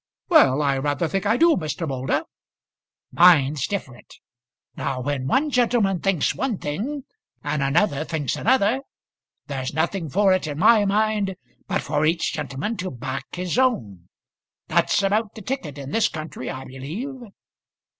"Well; I rather think I do, Mr. Moulder." "Mine's different. Now when one gentleman thinks one thing and another thinks another, there's nothing for it in my mind but for each gentleman to back his own. That's about the ticket in this country, I believe."